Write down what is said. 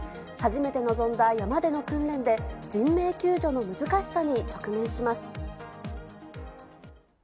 初めて臨んだ山での訓練で、人命救助の難しさに直面します。